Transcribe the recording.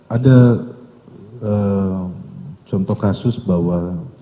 ada contoh kasus bahwa